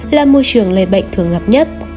là môi trường lây bệnh thường gặp nhất